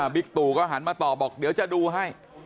ตู่ก็หันมาตอบบอกเดี๋ยวจะดูให้